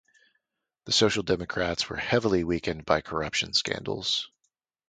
The Social Democrats were heavily weakened by corruption scandals.